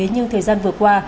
nhưng thời gian vừa qua